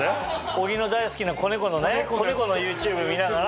小木の大好きな子猫のＹｏｕＴｕｂｅ見ながら。